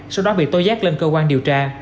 sau đó bị tối giác lên cơ quan điều tra